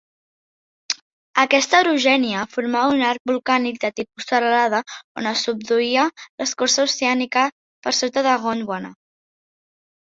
Aquesta orogènia formava un arc volcànic de tipus serralada on es subduïa l'escorça oceànica per sota de Gondwana.